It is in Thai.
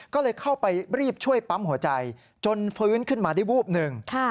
ก็เลยเข้าไปรีบช่วยปั๊มหัวใจจนฟื้นขึ้นมาได้วูบหนึ่ง